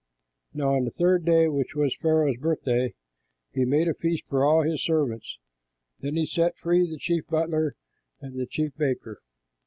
Now on the third day, which was Pharaoh's birthday, he made a feast for all his servants. Then he set free the chief butler and the chief baker.